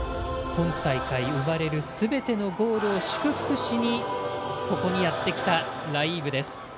今大会、生まれるすべてのゴールを祝福しにここにやってきたライーブです。